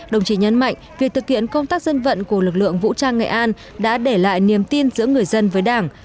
đồng chí nhấn mạnh việc thực hiện công tác dân vận của lực lượng vũ trang nghệ an đã để lại niềm tin giữa người dân với đảng